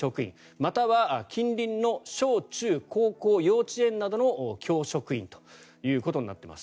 または近隣の小中高校幼稚園などの教職員ということになっています。